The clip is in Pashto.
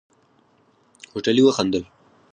هوټلي وخندل.